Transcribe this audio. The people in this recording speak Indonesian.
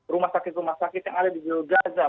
rumah sakit rumah sakit yang ada di gaza